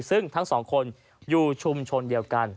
ซึ่งทั้งสองคนอยู่ชุมชนเดียวกัน